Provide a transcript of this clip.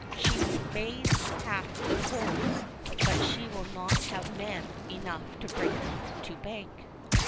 She may have the coals, but she will not have men enough to bring them to bank.